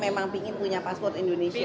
memang ingin punya paspor indonesia